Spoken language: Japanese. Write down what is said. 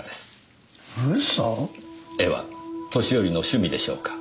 絵は年寄りの趣味でしょうか？